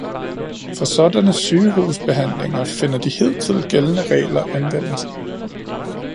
For sådanne sygehusbehandlinger finder de hidtil gældende regler anvendelse